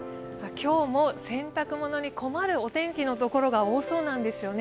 今日も洗濯物に困るお天気のところが多そうなんですよね。